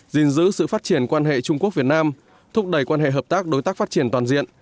gìn giữ sự phát triển quan hệ trung quốc việt nam thúc đẩy quan hệ hợp tác đối tác phát triển toàn diện